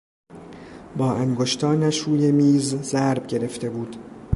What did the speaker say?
با انگشتانش روی میز ضرب گرفته بود.